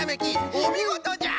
おみごとじゃ！